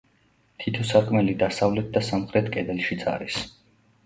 თითო სარკმელი დასავლეთ და სამხრეთ კედელშიც არის.